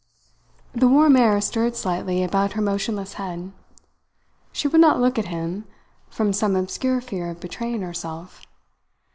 The warm air stirred slightly about her motionless head. She would not look at him, from some obscure fear of betraying herself.